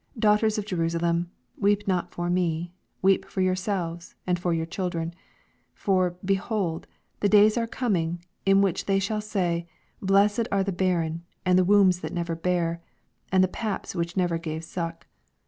Daughters of Jerusalem, weep not for me, but weep tor yourselves, and for your children. 29 For, behold, the days are oom mg, in the which they shall say. Blessed are the barren, and the wombs that never bare, and the paps which never gave suck.